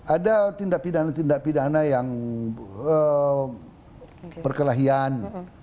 ada tindak pidana tindak pidana yang perkelahian